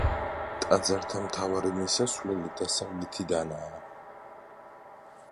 ტაძართან მთავარი მისასვლელი დასავლეთიდანაა.